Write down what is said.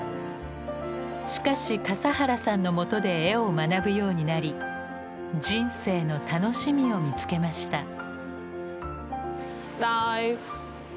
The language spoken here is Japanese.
しかし笠原さんのもとで絵を学ぶようになり人生の楽しみを見つけました。